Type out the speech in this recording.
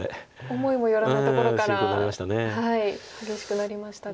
思いもよらないところから激しくなりましたが。